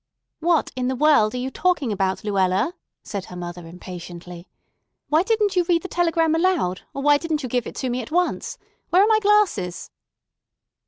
"What in the world are you talking about, Luella?" said her mother impatiently. "Why didn't you read the telegram aloud, or why didn't you give it to me at once? Where are my glasses?"